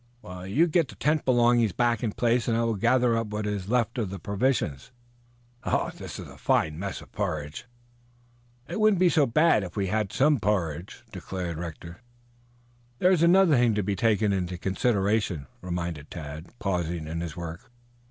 "You get the tent belongings back in place and I will gather up what is left of the provisions. This is a fine mess of porridge." "It wouldn't be so bad if we had some porridge," declared Rector. "There is another thing to be taken into consideration," reminded Tad, pausing in his work.